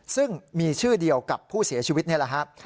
ซึ่งมีชื่อเดียวกับผู้เสียชีวิตนี่แหละครับ